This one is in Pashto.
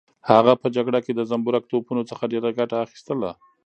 هغه په جګړه کې د زنبورک توپونو څخه ډېره ګټه اخیستله.